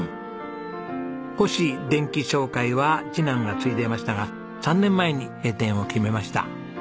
星電機商会は次男が継いでいましたが３年前に閉店を決めました。